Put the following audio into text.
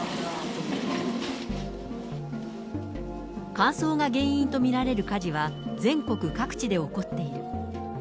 乾燥が原因と見られる火事は、全国各地で起こっている。